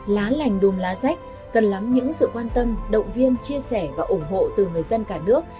lá lành đùm lá rách cần lắm những sự quan tâm động viên chia sẻ và ủng hộ từ người dân cả nước